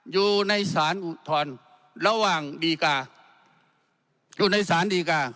อยู่ในสารอุทธรณ์ระหว่างดีกาอยู่ในสารดีกา